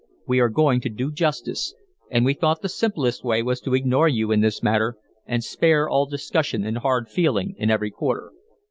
We are going to do justice, and we thought the simplest way was to ignore you in this matter and spare all discussion and hard feeling in every quarter."